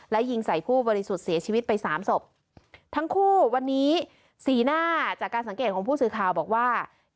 และยิงใส่ผู้บริสุทธิ์เสียชีวิตไปสามศพทั้งคู่วันนี้สีหน้าจากการสังเกตของผู้สื่อข่าวบอกว่า